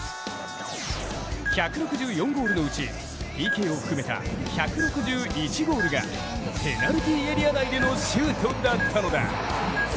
１６４ゴールのうちＰＫを含めた１６１ゴールがペナルティーエリア内でのシュートだったのだ。